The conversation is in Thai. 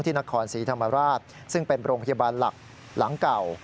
นครศรีธรรมราชซึ่งเป็นโรงพยาบาลหลักหลังเก่า